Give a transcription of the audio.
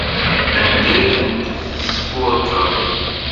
Anda ay tent-tesfurkeḍ?